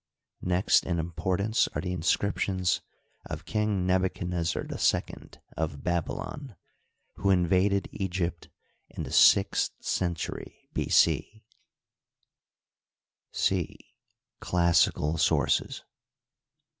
Next in importance are the inscriptions of Kine Nebuchadnezzar II, of Babylon, who invaded Egypt in uie sixth century B. c. c. Classical Sources.